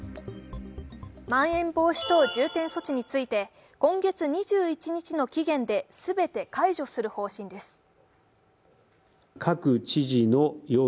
まん延防止等重点措置について、今月２１日の期限で全て解除する方針です。